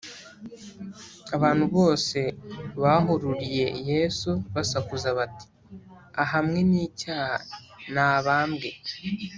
abantu bose bahururiye yesu basakuza bati, ahamwe n’icyaha, ni abambwe